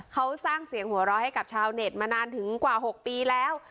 เขาสร้างเสียงหัวเราะให้กับชาวเน็ตมานานถึงกว่า๖ปีแล้ว